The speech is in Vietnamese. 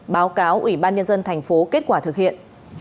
báo cáo ủy ban nhân dân tp kết quả thực hiện